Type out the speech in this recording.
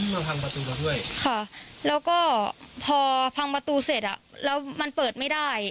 มันพังประตูมั้ยถ้าพังประตูเสร็จมันเปิดไม่ได้